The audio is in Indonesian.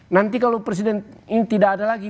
nanti kalau presiden ini tidak ada lagi